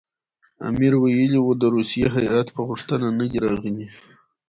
امیر ویلي وو د روسیې هیات په غوښتنه نه دی راغلی.